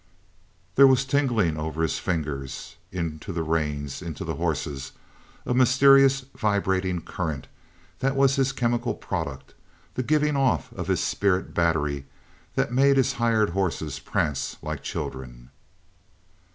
There was tingling over his fingers, into the reins, into the horses, a mysterious vibrating current that was his chemical product, the off giving of his spirit battery that made his hired horses prance like children.